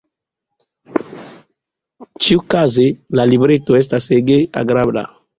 Ĉiukaze, la libreto estas ege agrabla.